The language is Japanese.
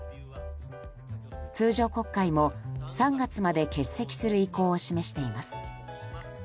通常国会も３月まで欠席する意向を示しています。